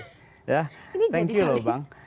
thank you bang